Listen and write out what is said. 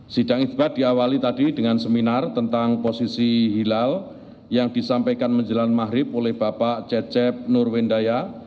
sidang isbat diawali tadi dengan seminar tentang posisi hilal yang disampaikan menjelang mahrib oleh bapak cecep nurwendaya